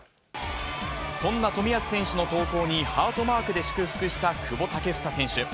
そんな冨安選手の投稿にハートマークで祝福した久保建英選手。